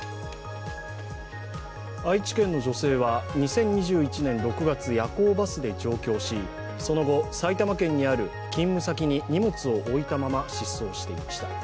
愛知県の女性は２０２１年６月夜行バスで上京しその後、埼玉県にある勤務先に荷物を置いたまま失踪していました。